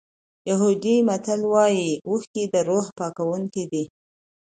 یهودي متل وایي اوښکې د روح پاکوونکي دي.